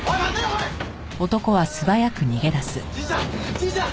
じいちゃん！